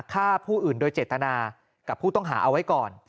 ฆ่าผู้อื่นโดยเจตนากับผู้ต้องหาเอาไว้ก่อน